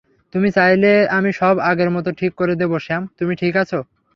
তুমি চাইলে, আমি সব আগের মত ঠিক করে দেব স্যাম, তুমি ঠিক আছ?